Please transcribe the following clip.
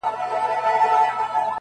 د مسجد په منارو که چي هېرېږئ-